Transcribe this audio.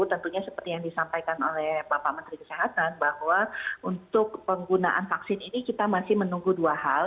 tentunya seperti yang disampaikan oleh bapak menteri kesehatan bahwa untuk penggunaan vaksin ini kita masih menunggu dua hal